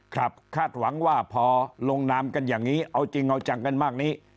คาดหวังว่าพอลงนามกันอย่างนี้เอาจริงเอาจังกันมากนี้